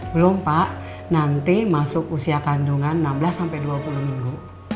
belum pak nanti masuk usia kandungan enam belas sampai dua puluh minggu